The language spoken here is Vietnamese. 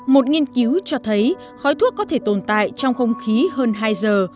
một nghiên cứu cho thấy khói thuốc có thể tồn tại trong không khí hơn hai giờ